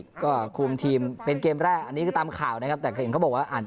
ก็คุมทีมเป็นเกมแรกอันนี้คือตามข่าวนะครับแต่ก็เห็นเขาบอกว่าอ่าน